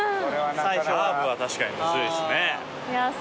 カーブは確かにむずいっすね。